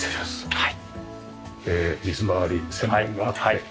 はい。